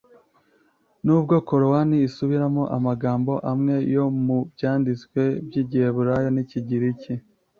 nubwo korowani isubiramo amagambo amwe yo mu byanditswe by’igiheburayo n’iby’ikigiriki.